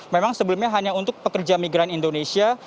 memang sebelumnya hanya untuk pekerja migran indonesia